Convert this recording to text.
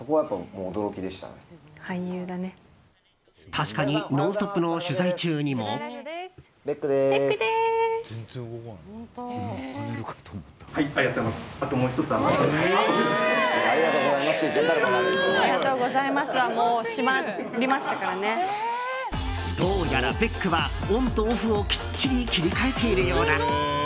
確かに「ノンストップ！」の取材中にも。どうやらベックはオンとオフをきっちり切り替えているようだ。